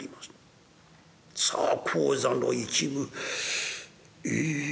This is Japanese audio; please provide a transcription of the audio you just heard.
さあ高座の一夢「え」。